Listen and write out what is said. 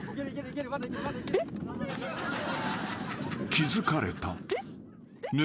［気付かれた］えっ？